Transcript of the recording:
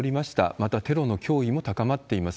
また、テロの脅威も高まっています。